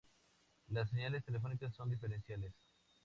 Las señales telefónicas son diferenciales.